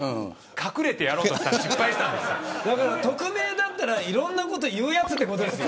隠れてやろうとしたらだから匿名だったらいろんなこと言うやつってことですよ。